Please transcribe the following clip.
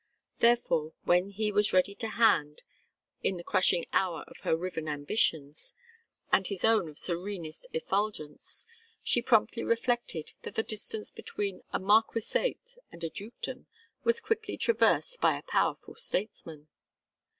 Therefore, when he was ready to hand, in the crushing hour of her riven ambitions, and his own of serenest effulgence, she promptly reflected that the distance between a marquisate and a dukedom was quickly traversed by a powerful statesman.